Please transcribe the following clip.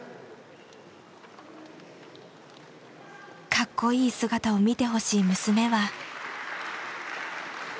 かっこいい姿を見てほしい娘は。